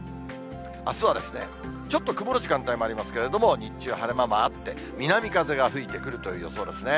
あすはちょっと曇る時間帯もありますけれども、日中、晴れ間もあって、南風が吹いてくるという予想ですね。